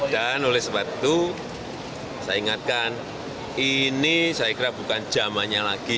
dan oleh sebab itu saya ingatkan ini saya kira bukan jamannya lagi